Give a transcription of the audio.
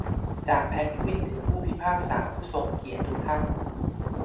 จากเพนกวินถึงผู้พิพากษาผู้ทรงเกียรติทุกท่าน